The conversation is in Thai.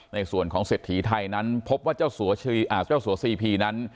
ในส่วนของเสธีไทยนั้นพบว่าเจ้าสัวซีอ่าเจ้าสวัสดีผีนั้น